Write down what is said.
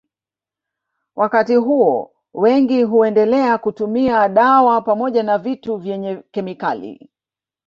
Wakati huo wengi huendelea kutumia dawa pamoja na vitu vyenye kemikali